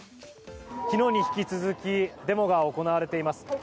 昨日に引き続きデモが行われています。